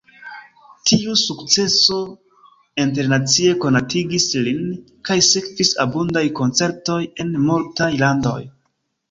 Tiu sukceso internacie konatigis lin, kaj sekvis abundaj koncertoj en multaj landoj.